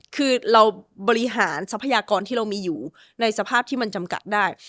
คือเราบริหารทรัพยากรที่เรามีอยู่ในสภาพที่มันจำกัดได้